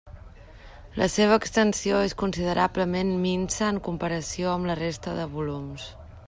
La seva extensió és considerablement minsa en comparació amb la resta de volums.